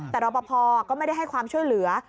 แต่รอปภก็ไม่ได้ให้ความช่วยเหลือ